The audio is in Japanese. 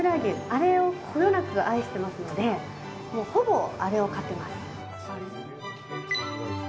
あれをこよなく愛してますのでほぼあれを買ってます。